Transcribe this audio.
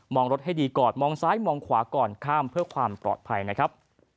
รถให้ดีก่อนมองซ้ายมองขวาก่อนข้ามเพื่อความปลอดภัยนะครับ